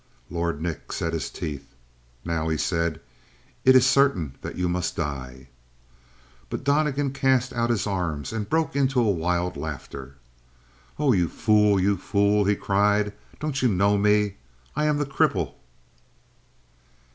Lord Nick set his teeth. "Now," he said, "it is certain that you must die!" But Donnegan cast out his arms and broke into a wild laughter. "Oh, you fool, you fool!" he cried. "Don't you know me? I am the cripple!"